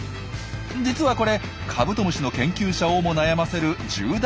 実はこれカブトムシの研究者をも悩ませる重大な謎なんです。